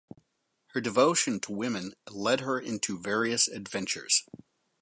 Her devotion to women led her into various adventures.